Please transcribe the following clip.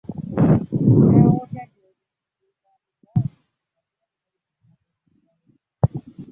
Okyawa otya gye wazaalibwa nga gy'oli tolifa ne bakuzzaayo!